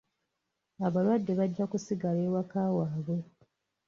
Abalwadde bajja kusigala ewaka waabwe.